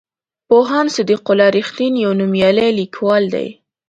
پوهاند صدیق الله رښتین یو نومیالی لیکوال دی.